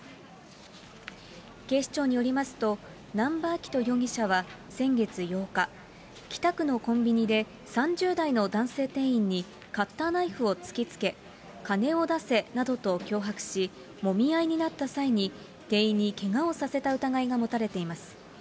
警視庁によりますと、南場あきと容疑者は先月８日、北区のコンビニで３０代の男性店員にカッターナイフを突きつけ、金を出せなどと脅迫し、もみ合いになった際に店員にけがをさせた疑いが持たれています。